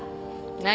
何？